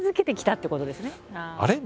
「あれ？